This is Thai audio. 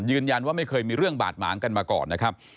ไม่เคยมีเรื่องบาดหมางกันมาก่อนนะครับ